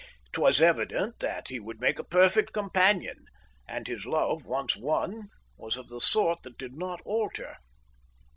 It was evident that he would make a perfect companion, and his love, once won, was of the sort that did not alter.